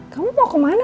kamu mau kemana